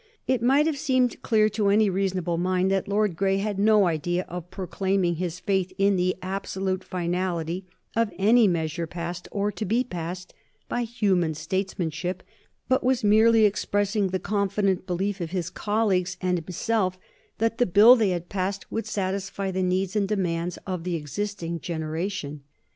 It might have seemed clear to any reasonable mind that Lord John had no idea of proclaiming his faith in the absolute finality of any measure passed, or to be passed, by human statesmanship, but was merely expressing the confident belief of his colleagues and himself that the Bill they had passed would satisfy the needs and the demands of the existing generation.